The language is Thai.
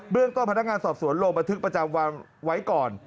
เรื่องต้นพนักงานสอบสวนลงบันทึกประจำวันไว้ก่อน